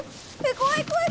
怖い怖い！